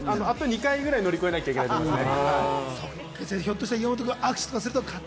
あと２回くらい乗り越えなきゃいけないですね。